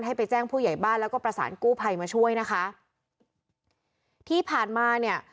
ให้ไปแจ้งผู้ใหญ่บ้านแล้วก็ประสานกู้ภัยมาช่วยนะคะที่ผ่านมาเนี่ย